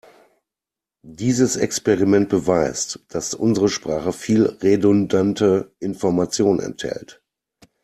Dieses Experiment beweist, dass unsere Sprache viel redundante Information enthält.